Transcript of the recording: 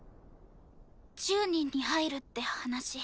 １０人に入るって話。